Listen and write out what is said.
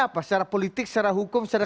apa secara politik secara hukum secara